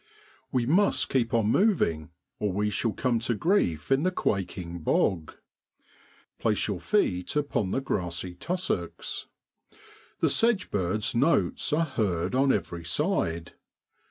We must keep on moving or we shall come to grief in the quaking bog. Place your feet upon the grassy tussocks. The sedge birds' notes are heard on every side.